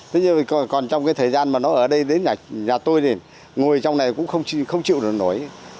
thế nhưng còn trong cái thời gian mà nó ở đây đến nhà tôi thì ngồi trong này cũng không chịu được nổi